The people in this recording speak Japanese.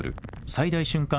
最大瞬間